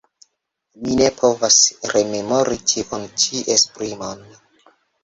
Mi ne povos rememori tiun ĉi esprimon.